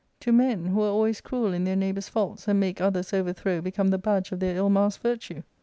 To men — who are always cruel in their neighbour's faults, and make other's overthrow become the badge of their ill masked virtue